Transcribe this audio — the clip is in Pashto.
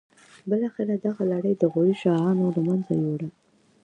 بالاخره دغه لړۍ د غوري شاهانو له منځه یوړه.